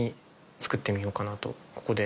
ここで。